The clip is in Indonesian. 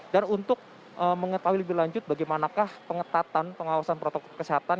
dan untuk mengetahui lebih lanjut bagaimanakah pengetatan pengawasan protokol kesehatan